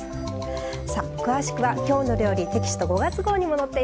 さあ詳しくは「きょうの料理」テキスト５月号にも載っています。